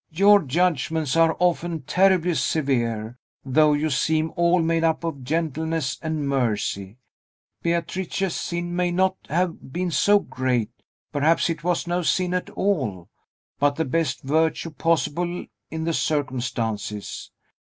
"Your judgments are often terribly severe, though you seem all made up of gentleness and mercy. Beatrice's sin may not have been so great: perhaps it was no sin at all, but the best virtue possible in the circumstances.